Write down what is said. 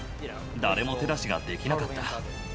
誰も手出しができなかった。